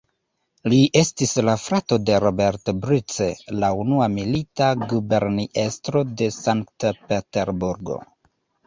Li estis la frato de "Robert Bruce", la unua milita guberniestro de Sankt-Peterburgo.